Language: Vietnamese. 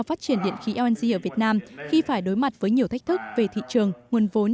phát triển điện khí lng ở việt nam khi phải đối mặt với nhiều thách thức về thị trường nguồn vốn